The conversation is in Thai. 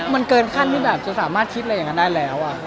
มันเกินขั้นที่แบบจะสามารถคิดอะไรอย่างนั้นได้แล้ว